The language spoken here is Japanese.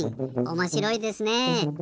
おもしろいですねえ。